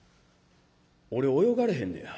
俺泳がれへんねや。